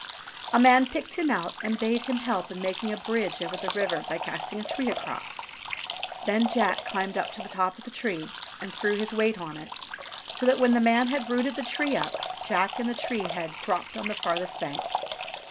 A man picked him out and bade him help in making a bridge over the river by casting a tree across. Then Jack climbed up to the top of the tree and threw his weight on it, so that when the man had rooted the tree up, Jack and the tree head dropped on the farther bank.